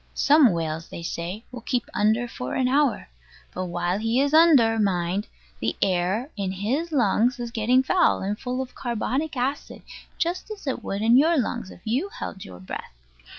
Some whales, they say, will keep under for an hour. But while he is under, mind, the air in his lungs is getting foul, and full of carbonic acid, just as it would in your lungs, if you held your breath.